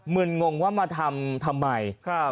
ึนงงว่ามาทำทำไม